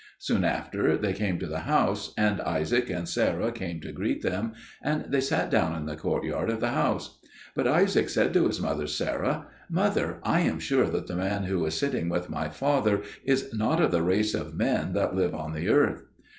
Soon after they came to the house, and Isaac and Sarah came to greet them, and they sat down in the courtyard of the house. But Isaac said to his mother Sarah, "Mother, I am sure that the man who is sitting with my father is not of the race of men that live on the earth."